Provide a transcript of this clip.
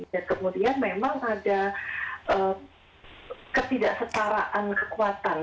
dan kemudian memang ada ketidaksetaraan kekuatan